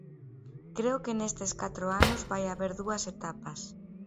Creo que nestes catro anos vai haber dúas etapas.